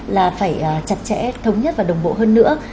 là phải chặt chẽ thống nhất và đồng bộ hơn nữa